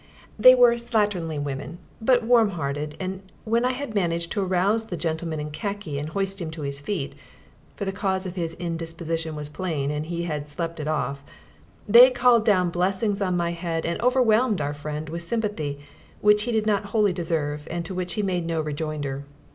They were slatternly women, but warm hearted; and when I had managed to arouse the gentleman in khaki and hoist him to his feet (for the cause of his indisposition was plain and he had slept it off) they called down blessings on my head and overwhelmed our friend with sympathy which he did not wholly deserve and to which he made no rejoinder.